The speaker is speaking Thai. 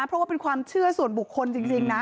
เพราะว่าเป็นความเชื่อส่วนบุคคลจริงนะ